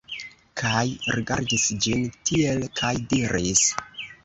Kaj rigardis ĝin tiel, kaj diris: